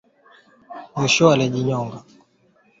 Ugonjwa wa homa ya mapafu husababishwa na wanyama wenye maambukizi